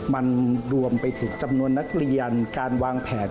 มันรวมไปถึงจำนวนนักเรียนการวางแผน